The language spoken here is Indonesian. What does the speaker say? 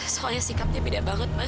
soalnya sikapnya beda banget mas